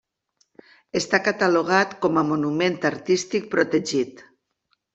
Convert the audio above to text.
Està catalogat com a monument artístic protegit.